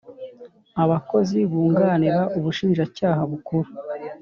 abakozi bunganira ubushinjacyaha bukuru